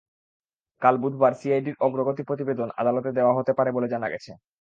কাল বুধবার সিআইডির অগ্রগতি প্রতিবেদন আদালতে দেওয়া হতে পারে বলে জানা গেছে।